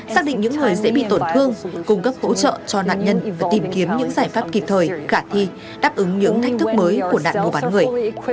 xác định những người dễ bị tổn thương cung cấp hỗ trợ cho nạn nhân và tìm kiếm những giải pháp kịp thời khả thi đáp ứng những thách thức mới của nạn mua bán người